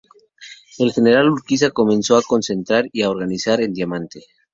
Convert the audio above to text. El general Urquiza comenzó a concentrar y organizar en Diamante.